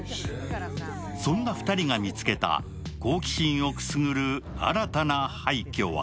そんな２人が見つけた好奇心をくすぐる新たな廃虚は